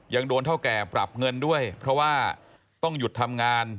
ยังโดนเท่าแก่ปรับเงินด้วยเพราะว่าต้องหยุดทำงาน